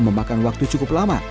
memakan waktu cukup lama